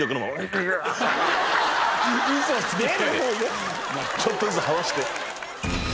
ちょっとずつはわせて。